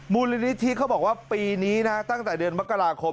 มูลนิธิเขาบอกว่าปีนี้นะตั้งแต่เดือนมกราคม